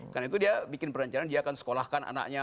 karena itu dia bikin perencanaan dia akan sekolahkan anaknya